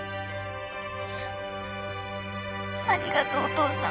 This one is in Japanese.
ありがとうお父さん。